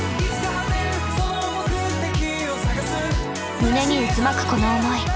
胸に渦巻くこの思い。